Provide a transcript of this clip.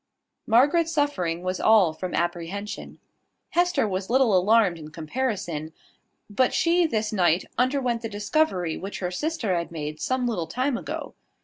Margaret's suffering was all from apprehension. Hester was little alarmed in comparison; but she this night underwent the discovery which her sister had made some little time ago.